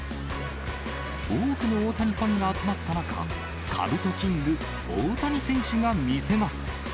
多くの大谷ファンが集まった中、かぶとキング、大谷選手が見せます。